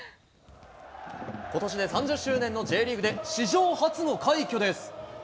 ことしで３０周年のＪリーグで、史上初の快挙です。